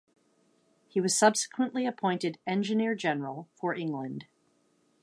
He was subsequently appointed engineer-general for England.